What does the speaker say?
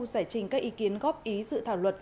giải trình các ý kiến góp ý dự thảo luật